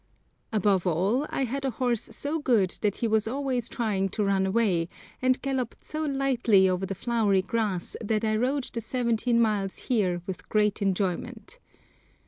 Above all, I had a horse so good that he was always trying to run away, and galloped so lightly over the flowery grass that I rode the seventeen miles here with great enjoyment.